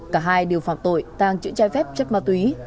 cả hai đều phạm tội tăng chữ chai phép chất ma túy